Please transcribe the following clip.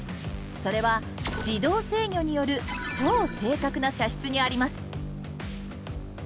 それは自動制御による超正確な射出にあります。